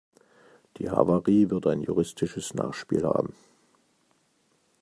Die Havarie wird ein juristisches Nachspiel haben.